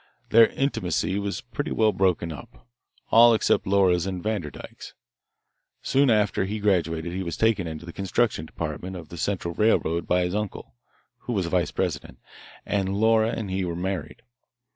Their intimacy was pretty well broken up, all except Laura's and Vanderdyke's. Soon after he graduated he was taken into the construction department of the Central Railroad by his uncle, who was a vice president, and Laura and he were married.